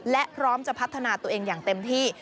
และพร้อมจะพัฒนาตัวเองอย่างเต็มที่